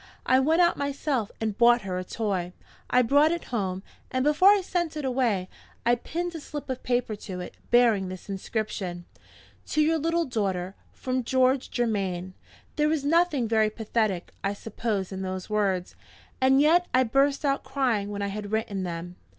I went out myself and bought her a toy. I brought it home, and before I sent it away, I pinned a slip of paper to it, bearing this inscription: "To your little daughter, from George Germaine." There is nothing very pathetic, I suppose, in those words. And yet I burst out crying when I had written them.